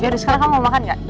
baru sekali kamu mau makan gak